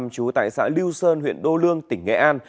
trú tại xã lưu sơn huyện đô lương tỉnh nghệ an